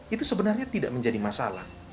itu sebenarnya tidak menjadi masalah